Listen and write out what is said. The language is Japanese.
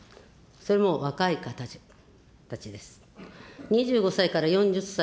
それも若い方たちです。